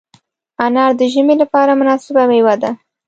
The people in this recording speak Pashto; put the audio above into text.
انار د ژمي لپاره مناسبه مېوه ده.